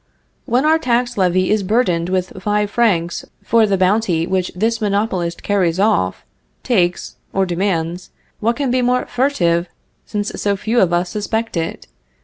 When our tax levy is burdened with five francs for the bounty which this monopolist carries off, takes, or demands, what can be more furtive, since so few of us suspect it?